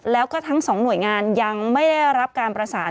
แล้วก็ทั้งสองหน่วยงานยังไม่ได้รับการประสาน